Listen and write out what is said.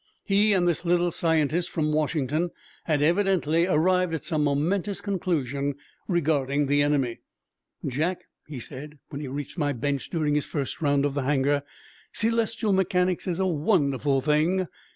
He and this little scientist from Washington had evidently arrived at some momentous conclusion regarding the enemy. "Jack," he said, when he reached my bench during his first round of the hanger, "celestial mechanics is a wonderful thing.